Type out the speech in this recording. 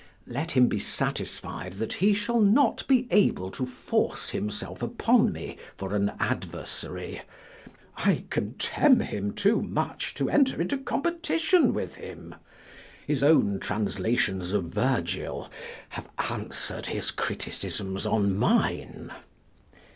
Let him to satisfied that he shall not be able to force himself upon me for an adversary. I contemn him too much to enter into competition with him. His own translations of Virgil have answer'd his criticisms on mine.